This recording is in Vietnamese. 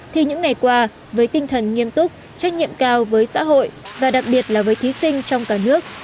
thì những ngày qua với tinh thần nghiêm túc trách nhiệm cao với xã hội và đặc biệt là với thí sinh trong cả nước